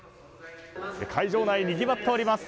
会場内にぎわっております。